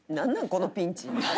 このピンチ。